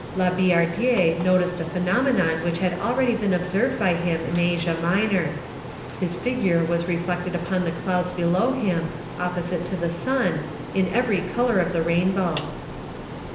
La Billardière noticed a phenomenon which had already been observed by him in Asia Minor: his figure was reflected upon the clouds below him, opposite to the sun, in every colour of the rainbow.